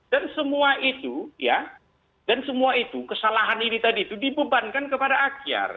dan semua itu kesalahan ini tadi itu dibebankan kepada akhyar